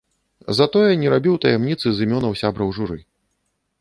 Затое не рабіў таямніцы з імёнаў сябраў журы.